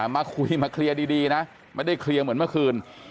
มาคุยมาเคลียร์ดีนะไม่ได้เคลียร์เหมือนเมื่อคืน